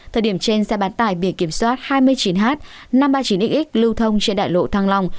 thời điểm trên xe bán tải bị kiểm soát hai mươi chín h năm trăm ba mươi chín xx lưu thông trên đại lộ thàng long